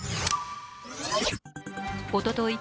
おととい